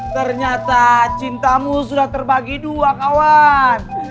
ternyata cintamu sudah terbagi dua kawan